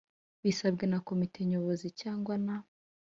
bisabwe na Komite Nyobozi cyangwa na